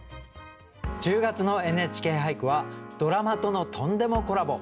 １０月の「ＮＨＫ俳句」はドラマとのとんでもコラボ。